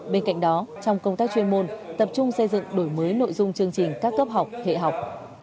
bên cạnh đó trong công tác chuyên môn tập trung xây dựng đổi mới nội dung chương trình các cấp học hệ học